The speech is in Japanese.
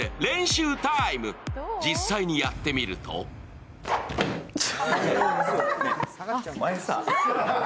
実際にやってみるとお前さ。